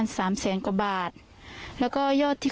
ความปลอดภัยของนายอภิรักษ์และครอบครัวด้วยซ้ำ